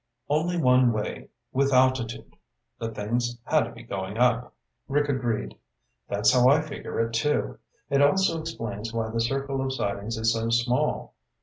"Only one way. With altitude. The things had to be going up." Rick agreed. "That's how I figure it, too. It also explains why the circle of sightings is so small.